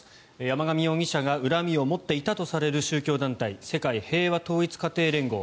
山上容疑者が恨みを持っていたとされる宗教団体世界平和統一家庭連合